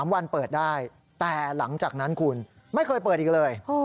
๓วันเปิดได้แต่หลังจากนั้นคุณไม่เคยเปิดอีกเลย